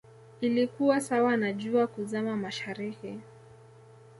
ilikuwa sawa na jua kuzama mashariki